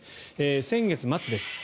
先月末です。